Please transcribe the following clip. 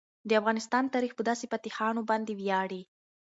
د افغانستان تاریخ په داسې فاتحانو باندې ویاړي.